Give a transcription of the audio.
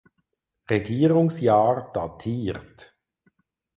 Regierungsjahr datiert.